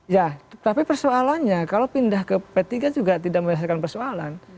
ya tapi persoalannya kalau pindah ke p tiga juga tidak menyelesaikan persoalan